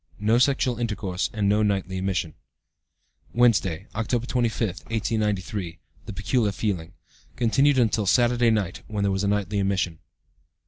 No sexual intercourse, and no nightly emission.) "Wednesday, October 25, 1893. The peculiar feeling. (Continued until Saturday night, when there was a nightly emission.)